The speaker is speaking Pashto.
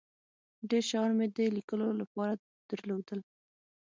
ډیر شیان مې د لیکلو له پاره درلودل.